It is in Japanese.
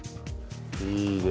いいね。